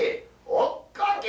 「追っかけ」。